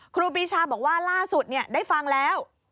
ครูปีชาบอกว่าล่าสุดได้ฟังแล้ว